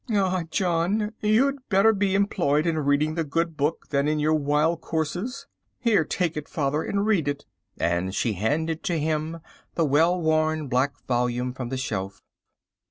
"Ah, John, you'd better be employed in reading the Good Book than in your wild courses. Here take it, father, and read it"—and she handed to him the well worn black volume from the shelf.